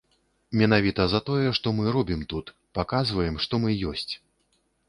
Менавіта за тое, што мы робім тут, паказваем, што мы ёсць.